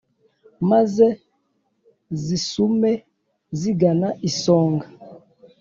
Maze zisume zigana isonga